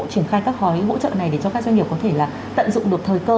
triển khai các gói hỗ trợ này để cho các doanh nghiệp có thể tận dụng được thời cơ